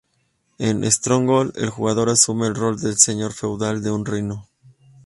En "Stronghold", el jugador asume el rol del señor feudal de un reino.